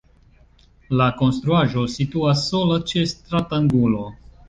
La konstruaĵo situas sola ĉe stratangulo.